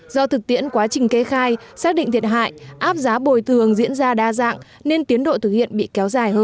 do thực tiễn quá trình cây khai tỉnh hà tĩnh đã tiến hành cây khai